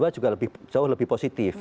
juga jauh lebih positif